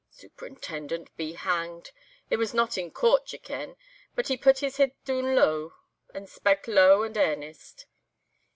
"'Superintendent be hanged!' (it was not in Court, ye ken), and he put his heid doon low, and spak' low and airnest.